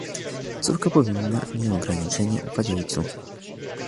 "Córka powinna nieograniczenie ufać ojcu."